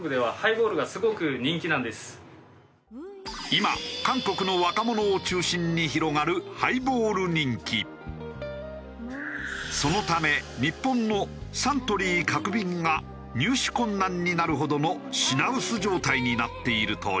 今韓国の若者を中心に広がるそのため日本のサントリー角瓶が入手困難になるほどの品薄状態になっているという。